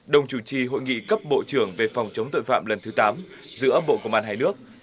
đồng chủ trì hội nghị cấp bộ trưởng về phòng chống tội phạm lần thứ tám giữa bộ công an hai nước